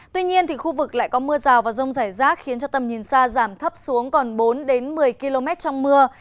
tuy nhiên khu vực lại có mưa rào và rông rải rác khiến cho tầm nhìn xa giảm thấp xuống còn bốn một mươi km trong mưa